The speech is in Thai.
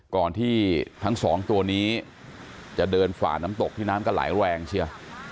ก่อนที่ทั้งสองตัวนี้จะเดินฝ่าน้ำตกที่น้ำก็ไหลแรงเชียว